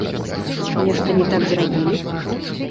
Нешта не так зрабілі?